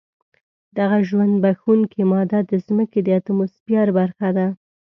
دغه ژوند بښونکې ماده د ځمکې د اتموسفیر برخه ده.